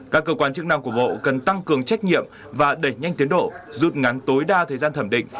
các cơ quan chức năng của bộ cần tăng cường trách nhiệm và đẩy nhanh tiến độ rút ngắn tối đa thời gian thẩm định